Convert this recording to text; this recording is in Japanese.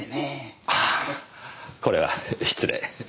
ああこれは失礼。